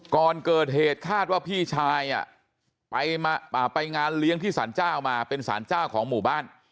ก่อนเกิดเหตุคาดว่าพี่ชายไปงานเลี้ยงที่สารเจ้ามาเป็นสารเจ้าของหมู่บ้าน